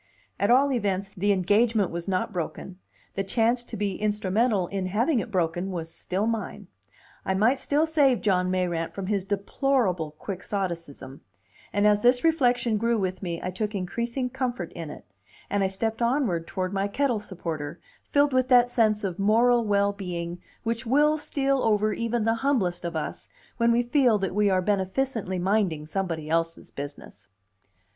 At all events, the engagement was not broken, the chance to be instrumental in having it broken was still mine; I might still save John Mayrant from his deplorable quixotism; and as this reflection grew with me I took increasing comfort in it, and I stepped onward toward my kettle supporter, filled with that sense of moral well being which will steal over even the humblest of us when we feel that we are beneficently minding somebody else's business.